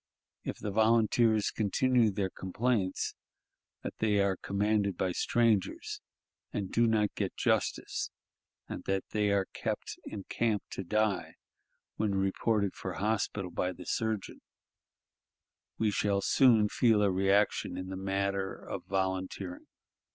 If the volunteers continue their complaints that they are commanded by strangers and do not get justice, and that they are kept in camp to die when reported for hospital by the surgeon, we shall soon feel a reaction in the matter of volunteering.